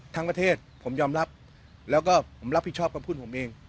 ทั้งประเทศผมยอมรับแล้วก็ผมรับผิดชอบคำพูดผมเอง